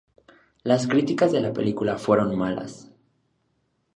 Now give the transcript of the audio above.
Las críticas de la película fueron malas.